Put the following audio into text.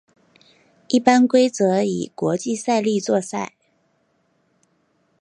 一般规则以国际赛例作赛。